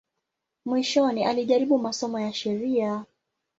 Mwishoni alijaribu masomo ya sheria.